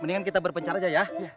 mendingan kita berpencar aja ya